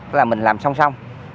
tức là mình làm song song